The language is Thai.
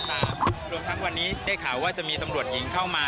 เพราะถึงทุกวันนี้ได้ข่าวว่าจะมีตรรวจหญิงเข้ามา